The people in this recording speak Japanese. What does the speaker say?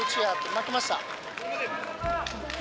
負けました。